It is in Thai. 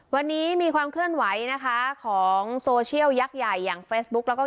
วันนี้มีความเคลื่อนไหวนะคะของโซเชียลยักษ์ใหญ่อย่างเฟซบุ๊กแล้วก็